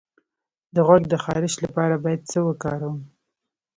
د غوږ د خارش لپاره باید څه وکاروم؟